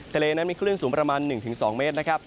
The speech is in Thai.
ทะเลนั้นมีคลื่นสูงประมาณ๑๒เมตรนะครับ